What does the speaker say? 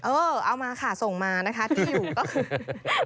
เอามาค่ะส่งมานะคะที่อยู่ก็คือ